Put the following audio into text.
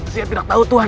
saya tidak tahu tuhan